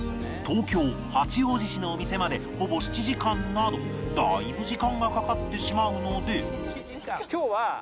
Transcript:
東京八王子市のお店までほぼ７時間などだいぶ時間がかかってしまうので